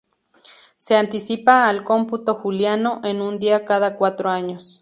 Se anticipa al cómputo juliano en un día cada cuatro años.